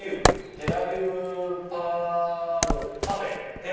テラリウムパルパフェ！